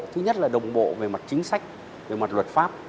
thứ nhất là đồng bộ về mặt chính sách về mặt luật pháp